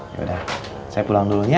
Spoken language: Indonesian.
ya udah saya pulang dulu ya